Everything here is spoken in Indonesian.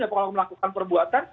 ya kalau melakukan perbuatan